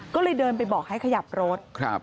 ก็เลยเดินไปบอกให้ขยับรถ